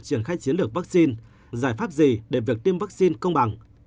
triển khai chiến lược vaccine giải pháp gì để việc tiêm vaccine công bằng